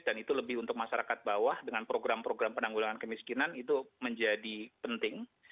dan itu lebih untuk masyarakat bawah dengan program program penanggulangan kemiskinan itu menjadi penting